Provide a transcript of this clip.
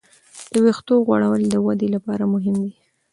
د وېښتو غوړول د ودې لپاره مهم دی.